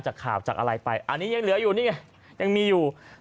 จากข่าวจากอะไรไปอันนี้ยังเหลืออยู่นี่ไงยังมีอยู่